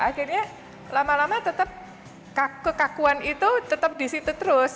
akhirnya lama lama tetap kekakuan itu tetap di situ terus